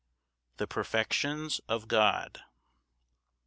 The perfections of God.